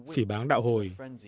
phỉ bán đạo hồi